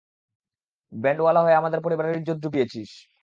ব্যান্ড-ওয়ালা হয়ে আমাদের পরিবারের ইজ্জত ডুবিয়েছিস।